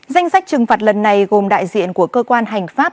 danh sách trừng phạt lần này gồm đại diện của cơ quan hành pháp